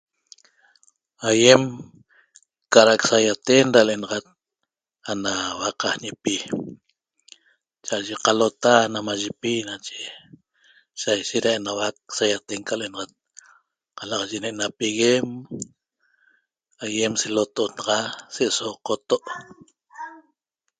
Aiem cara'ac saiaten ra le'enaxat ana huaqaañepi cha'aye qalota ana mayepi nache saishet ra enauac saiaten ca le'enaxat qalaxaye ne'ena piguem aiem seloto'ot naxa se'eso qoto'